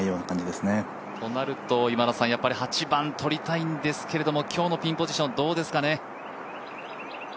となると、８番とりたいんですけど今日のピンポジションどうですかね。